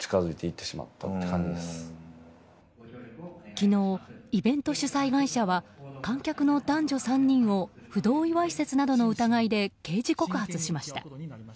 昨日、イベント主催会社は観客の男女３人を不同意わいせつなどの疑いで刑事告発しました。